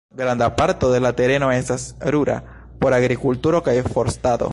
Granda parto de la tereno estas rura, por agrikulturo kaj forstado.